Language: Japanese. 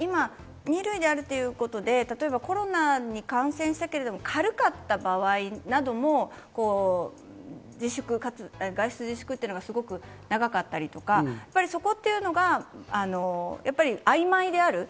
今、２類であるということで、コロナに感染したけれども軽かった場合なども外出自粛というのが長かったりとか、そこというのが曖昧である。